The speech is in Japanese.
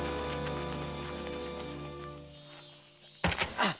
あっ。